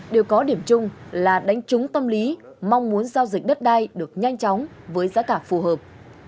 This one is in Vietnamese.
đều có điểm chung là đánh trúng tâm lý mong muốn giao dịch đất đai được nhanh chóng với giá cả phù hợp